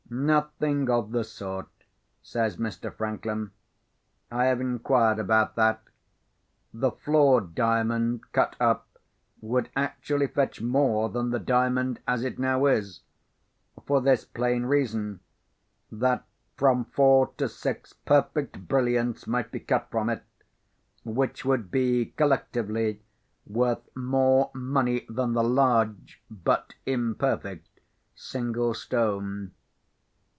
"Nothing of the sort," says Mr. Franklin. "I have inquired about that. The flawed Diamond, cut up, would actually fetch more than the Diamond as it now is; for this plain reason—that from four to six perfect brilliants might be cut from it, which would be, collectively, worth more money than the large—but imperfect single stone.